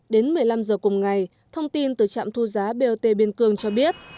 đến một mươi năm h cùng ngày thông tin từ trạm thu giá bot biên cương cho biết